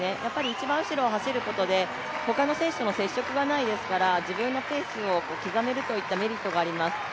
一番後ろを走ることでほかの選手との接触がないですから自分のペースを刻めるといったメリットがあります。